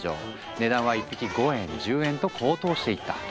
値段は１匹５円１０円と高騰していった。